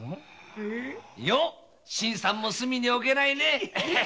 よォ新さんも隅におけないね。